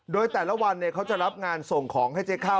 โดยแต่ละวันเขาจะรับงานส่งของให้เจ๊ข้าว